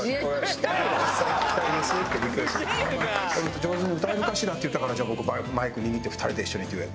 「上手に歌えるかしら」って言ったからじゃあ僕マイク握って２人で一緒にデュエットして。